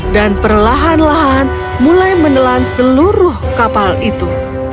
dan perlahan lahan mulai menelan seluruh kapal itu